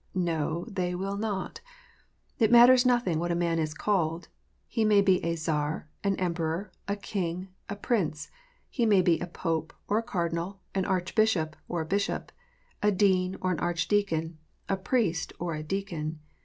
Xo : they will not ! It matters nothing what a man is called. He may be a Czar, an Emperor, a King, a Prince. He may be a Pope or a Cardinal, an Archbishop or a Bishop, a Dean or an Arch deacon, a Priest or a Deacon.